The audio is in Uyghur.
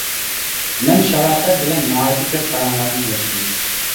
مەن شاراپەت بىلەن ناھايىتى كۆپ پاراڭلارنى قىلىشتىم.